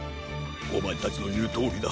おまえたちのいうとおりだ。